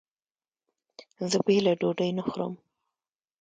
زه بېله ډوډۍ نه خورم.